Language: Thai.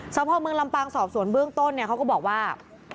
สภาพเมืองลำปางสอบสวนเบื้องต้นเนี่ยเขาก็บอกว่า